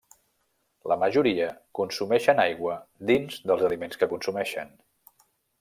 La majoria consumeixen aigua dins dels aliments que consumeixen.